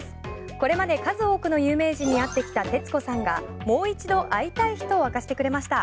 これまで数多くの有名人に会ってきた徹子さんがもう一度会いたい人を明かしてくれました。